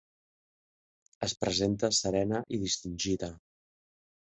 Es presenta serena i distingida.